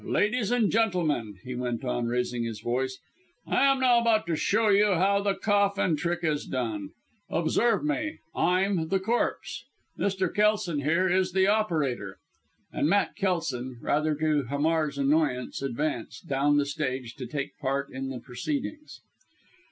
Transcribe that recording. Ladies and gentlemen," he went on, raising his voice, "I am now about to show you how the coffin trick is done. Observe me I'm 'the corpse' Mr. Kelson, here, is the operator " and Matt Kelson, rather to Hamar's annoyance advanced, down the stage to take part in the proceedings.